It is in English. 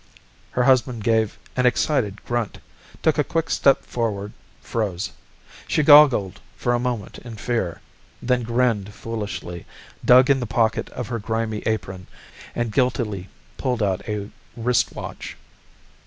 Her husband gave an excited grunt, took a quick step forward, froze. She goggled for a moment in fear, then grinned foolishly, dug in the pocket of her grimy apron and guiltily pulled out a wristwatch.